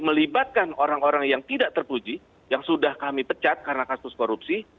melibatkan orang orang yang tidak terpuji yang sudah kami pecat karena kasus korupsi